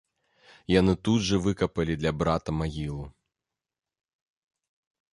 Яны тут жа выкапалі для брата магілу.